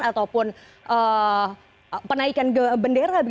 ataupun penaikan bendera